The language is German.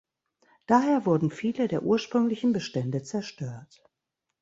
Daher wurden viele der ursprünglichen Bestände zerstört.